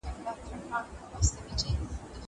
زه کولای سم ونې ته اوبه ورکړم!